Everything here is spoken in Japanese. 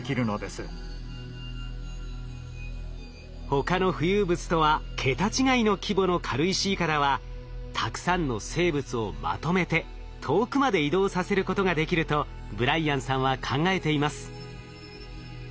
他の浮遊物とは桁違いの規模の軽石いかだはたくさんの生物をまとめて遠くまで移動させることができるとブライアンさんは考えています。